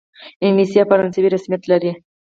انګلیسي او فرانسوي رسمیت لري.